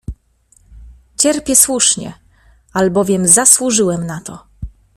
— Cierpię słusznie, albowiem zasłużyłem na to!